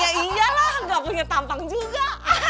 ya iyalah nggak punya tampang juga